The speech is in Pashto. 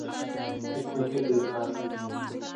مچمچۍ ډېر کار کوي